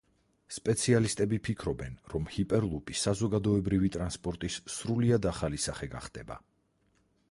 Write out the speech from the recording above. სპეციალისტები ფიქრობენ, რომ ჰიპერლუპი საზოგადოებრივი ტრანსპორტის სრულიად ახალი სახე გახდება.